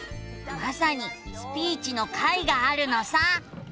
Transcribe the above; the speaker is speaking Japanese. まさに「スピーチ」の回があるのさ。